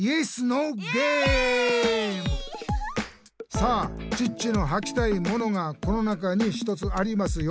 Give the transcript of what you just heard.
「さあチッチのはきたいものがこの中に１つありますよ！」